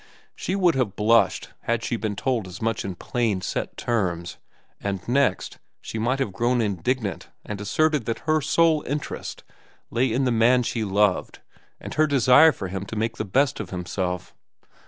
She would have blushed had she been told as much in plain, set terms, and next, she might have grown indignant and asserted that her sole interest lay in the man she loved and her desire for him to make the best of himself.